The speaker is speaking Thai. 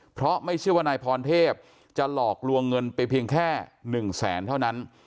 เพราะไม่เชื่อว่านายพรเทพจะหลอกลวงเงินไปเพียงแค่๑แสนเท่านั้น